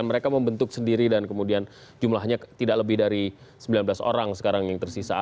mereka membentuk sendiri dan kemudian jumlahnya tidak lebih dari sembilan belas orang sekarang yang tersisa